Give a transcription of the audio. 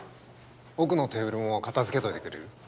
奥のテーブルも片付けといてくれる？